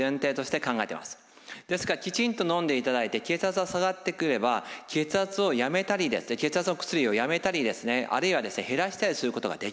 ですからきちんとのんでいただいて血圧が下がってくれば血圧の薬をやめたりですねあるいは減らしたりすることができるわけなんですね。